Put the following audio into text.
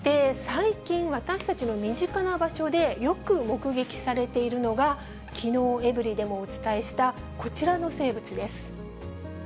そして最近、私たちの身近な場所でよく目撃されているのが、きのう、エブリィでもお伝えしたこちらの生物です。